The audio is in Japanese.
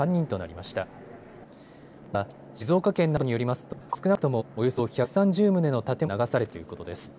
また、静岡県などによりますと少なくとも、およそ１３０棟の建物が流されたということです。